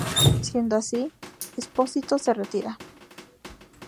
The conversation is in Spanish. Siendo así, Espósito se retira.